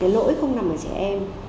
lỗi không nằm ở trẻ em